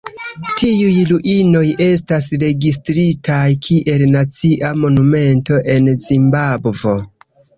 Tiuj ruinoj estas registritaj kiel nacia monumento en Zimbabvo.